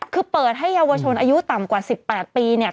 คือเปิดให้เยาวชนอายุต่ำกว่า๑๘ปีเนี่ย